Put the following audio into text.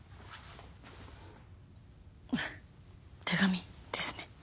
手紙ですね。